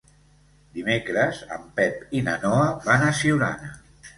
Dimecres en Pep i na Noa van a Siurana.